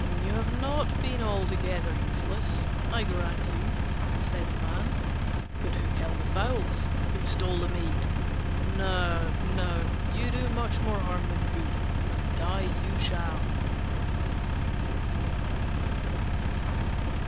"You have not been altogether useless, I grant you," said the Man: "but who killed the fowls? Who stole the meat? No, no! You do much more harm than good, and die you shall."